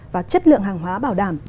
và chất lượng hàng hóa bảo đảm